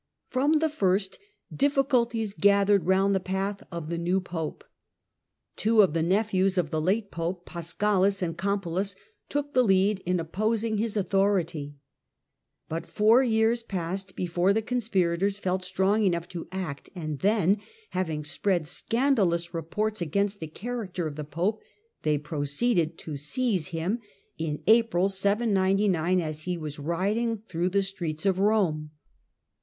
From the first, difficulties gathered round the path of the new Pope. Two of the nephews of the late Pope, Paschalis and Campulus, took the lead in opposing his authority. But four years passed before the conspirators felt strong enough to act, and then, having spread scandalous reports against the character of the Pope, they proceeded to seize him, in April, 799, as he was riding through the streets of Rome.